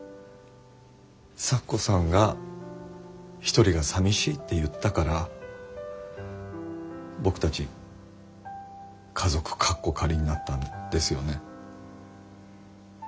咲子さんが一人がさみしいって言ったから僕たち家族カッコ仮になったんですよね？